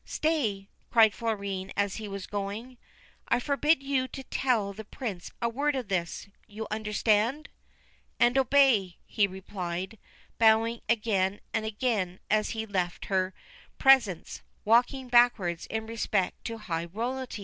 ' Stay !' cried Florine as he was going. ' I forbid you to tell the Prince a word of this. You understand ?' 'And obey,' he replied, bowing again and again as he left her presence, walking backwards in respect to high royalty.